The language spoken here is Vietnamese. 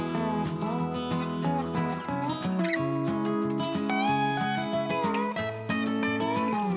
hẹn gặp lại